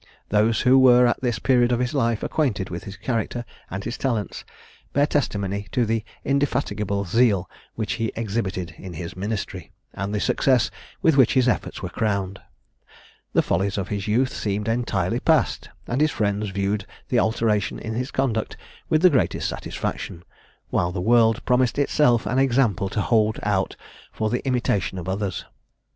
Those who were at this period of his life acquainted with his character and his talents, bear testimony to the indefatigable zeal which he exhibited in his ministry, and the success with which his efforts were crowned. The follies of his youth seemed entirely past, and his friends viewed the alteration in his conduct with the greatest satisfaction; while the world promised itself an example to hold out for the imitation of others.